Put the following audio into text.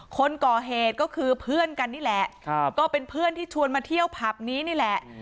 คนก่อเหตุก็คือเพื่อนกันนี่แหละก็เป็นเพื่อนที่ชวนมาเที่ยวผับนี้นี่แหละ